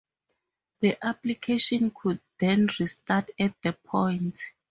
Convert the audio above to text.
The application could then restart at that point.